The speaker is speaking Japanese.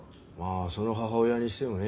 その母親にしてもね